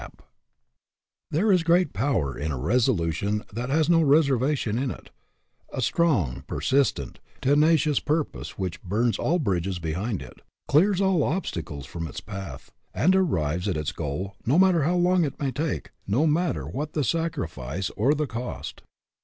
ii2 AN OVERMASTERING PURPOSE There is great power in a resolution that has no reservation in it a strong, persistent, tenacious purpose which burns all bridges be hind it, clears all obstacles from its path, and arrives at its goal, no matter how long it may take, no matter what the sacrifice or the cost.